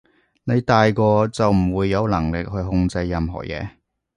你大個就唔會有能力去控制任何嘢